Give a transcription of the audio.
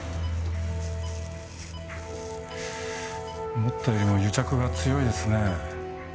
思ったよりも癒着が強いですね。